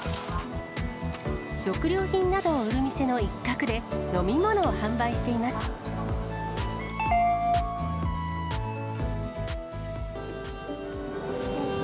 食料品などを売る店の一角で、飲み物を販売しています。